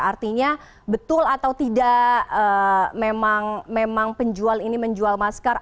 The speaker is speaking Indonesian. artinya betul atau tidak memang penjual ini menjual masker